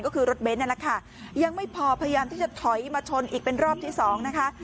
ก็คือรถเบนท์นั่นแหละค่ะยังไม่พอพยายามที่จะถอยมาชนอีกเป็นรอบที่สองนะคะ